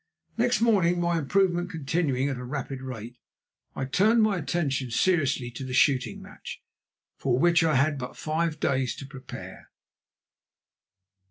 Next morning, my improvement continuing at a rapid rate, I turned my attention seriously to the shooting match, for which I had but five days to prepare.